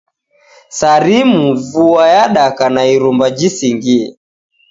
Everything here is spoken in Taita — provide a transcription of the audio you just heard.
Sarimu vua yadaka na irumba jisingie.